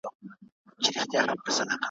د غزل سره روان قلم قلم دئ